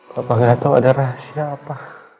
papa gak tau ada rahasia apa